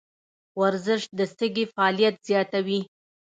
ورزش د سږي فعالیت زیاتوي.